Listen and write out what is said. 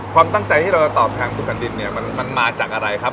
ความตั้งใจที่เราจะตอบแทนคุณแผ่นดินเนี่ยมันมาจากอะไรครับ